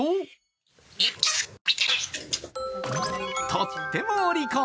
とってもお利口。